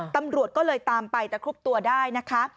ตำรวจก็เลยตามไปตะครุบตัวได้นะคะ